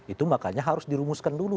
itu makanya harus dirumuskan dulu